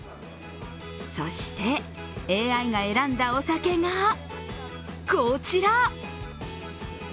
そしてＡＩが選んだお酒がこちら。